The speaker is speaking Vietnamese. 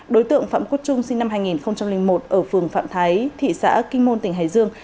đối tượng phạm quốc trung sinh năm hai nghìn một ở phường phạm thái thị xã kinh môn tỉnh hải dương